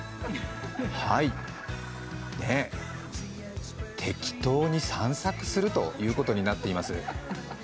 はい、ねえ、「適当に散策する」ということになっています。